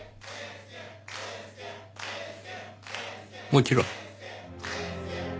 もちろん。